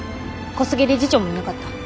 小菅理事長もいなかった。